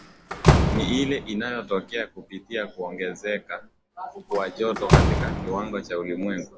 Ni ile inayotokea kupitia kuongezeka kwa joto katika kiwango cha ulimwengu